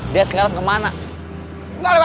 dia sekarang kemana